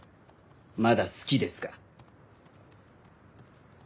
まだ好きですか？